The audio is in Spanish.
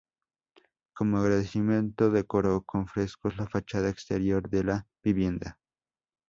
Como agradecimiento, decoró con frescos la fachada exterior de la vivienda.